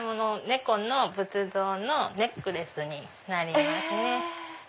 猫の仏像のネックレスになりますね。